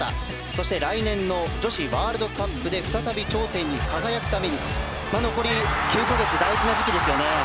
そして来年の女子ワールドカップで再び頂点に輝くために残り９か月、大事な時期ですよね。